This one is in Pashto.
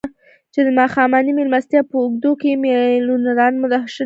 چې د ماښامنۍ مېلمستیا په اوږدو کې يې ميليونران مدهوشه کړي وو.